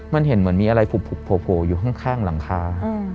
มันเห็นเหมือนมีอะไรโผล่อยู่ข้างหลังคา